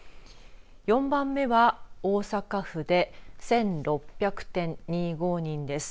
４番目は大阪府で１６００．２５人です。